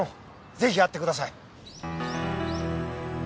ぜひ会ってください。